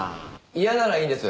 嫌ならいいんです。